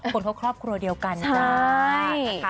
คนครอบครอบครัวเดียวกันใช่